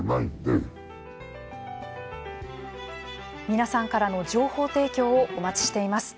皆さんからの情報提供をお待ちしています。